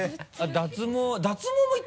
脱毛